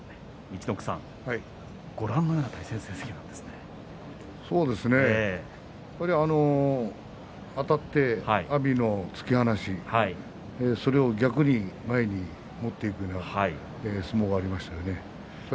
一度あたって阿炎の突き放しそれを逆に、前に持っていくような相撲がありましたね。